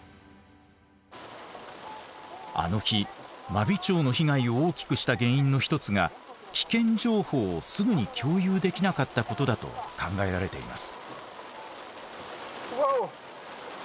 あの日真備町の被害を大きくした原因の一つが危険情報をすぐに共有できなかったことだと考えられています。